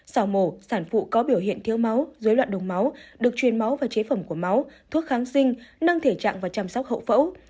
xào mổ sản phụ có biểu hiện thiếu máu dối loạn đồng máu được truyền máu và chế phẩm của máu thuốc kháng sinh nâng thể trạng và chăm sóc hậu phẫu